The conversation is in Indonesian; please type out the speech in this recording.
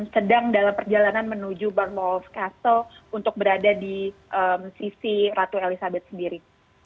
sedang dalam perjalanan menuju barmalls castle untuk berada di sisi ratu elizabeth sendiri